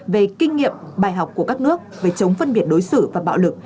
về kinh nghiệm bài học của các nước về chống phân biệt đối xử và bạo lực